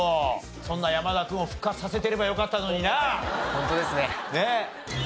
そんな山田君を復活させてればよかったのにな？